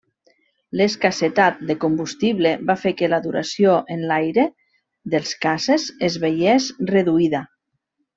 L'escassetat de combustible, va fer que la duració en l'aire, dels caces, es veiés reduïda.